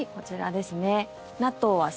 こちらですね。